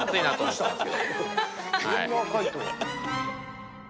そんな赤いとは。